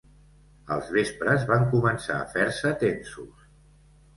Els vespres van començar a fer-se tensos.